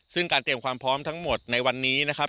ซึ่งการเตรียมความพร้อมทั้งหมดในวันนี้นะครับ